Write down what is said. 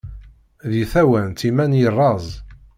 Deg tawant iman yerreẓ.